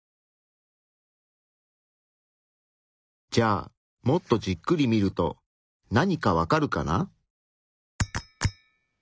じゃあもっとじっくり見ると何かわかるかな？